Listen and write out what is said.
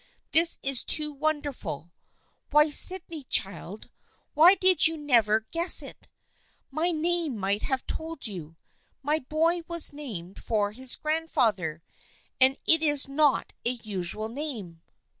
This is too wonder ful. Why, Sydney, child ! Why did you never guess it? My name might have told you. My boy was named for his grandfather, and it is not a usual name."